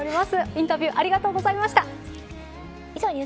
インタビューありがとうございました。